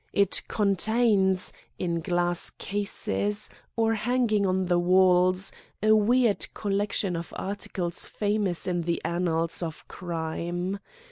It contains, in glass cases, or hanging on the walls, a weird collection of articles famous in the annals of crime.